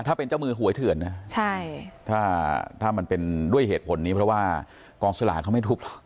ถ้าเป็นเจ้ามือหวยเถื่อนนะถ้ามันเป็นด้วยเหตุผลนี้เพราะว่ากองสลากเขาไม่ทุบหรอก